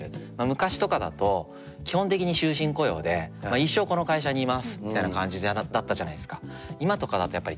昔とかだと基本的に終身雇用で「一生この会社に居ます！」みたいな感じだったじゃないですか。